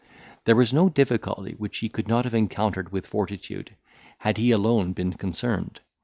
There was no difficulty which he could not have encountered with fortitude, had he alone been concerned.